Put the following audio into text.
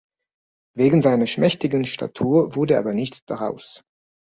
Wegen seiner schmächtigen Statur wurde aber nichts daraus.